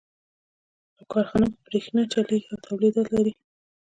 يوه کارخانه په برېښنا چلېږي او توليدات لري.